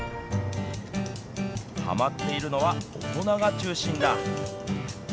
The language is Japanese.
はまっているのは大人が中心だ。